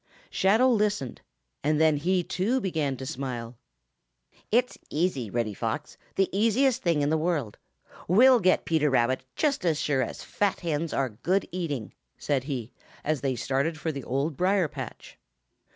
Shadow listened, and then he too began to smile. "It's easy, Reddy Fox, the easiest thing in the world! We'll get Peter Rabbit just as sure as fat hens are good eating," said he, as they started for the Old Briar patch.